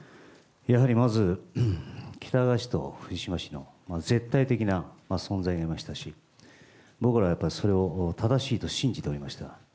やはりまず、喜多川氏と藤島氏の絶対的な存在がありましたし、僕らやっぱり、それを正しいと信じておりました。